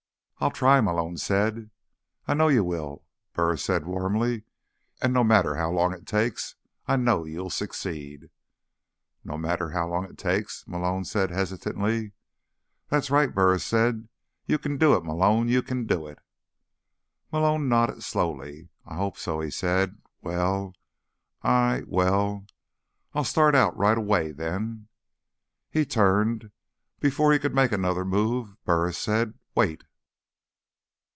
"I'll try," Malone said. "I know you will," Burris said warmly. "And no matter how long it takes, I know you'll succeed." "No matter how long it takes?" Malone said hesitantly. "That's right!" Burris said. "You can do it, Malone! You can do it." Malone nodded slowly. "I hope so," he said. "Well, I—Well, I'll start out right away, then." He turned. Before he could make another move Burris said, "Wait!"